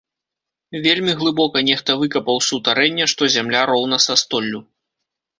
Вельмі глыбока нехта выкапаў сутарэнне, што зямля роўна са столлю.